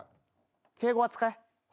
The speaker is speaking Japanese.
敬語は使え。